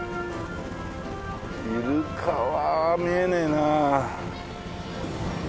イルカは見えねえな。